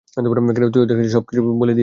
তুই ওদের কাছে সবকিছু বলে দিয়েছিলি!